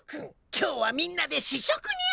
今日はみんなで試食にゃ。